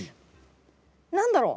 何だろう？